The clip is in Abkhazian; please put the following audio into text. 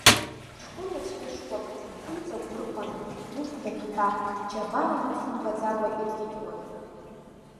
Ҷкәына ҵәрышкәак, иԥынҵагә ырхәан, ихәда ҭҳәа, џьабаа мыцхә мбаӡакәа иркьыкьуан.